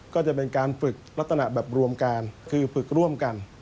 ก็จะเป็นการฝึกลักษณะแบบรวมกันคือฝึกร่วมกัน